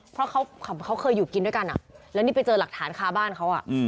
เพราะเขาเคยอยู่กินด้วยกันแล้วนี่ไปเจอหลักฐานคาบ้านเขา